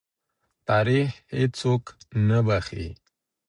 تاریخ هېڅوک نه بخښي.